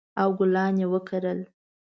او ګلان یې وکرل